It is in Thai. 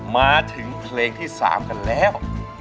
มาถึงเพลงที่๓กันแล้ว